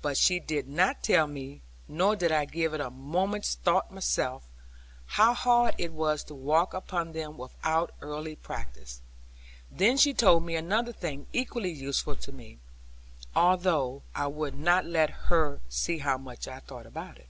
But she did not tell me, nor did I give it a moment's thought myself, how hard it was to walk upon them without early practice. Then she told me another thing equally useful to me; although I would not let her see how much I thought about it.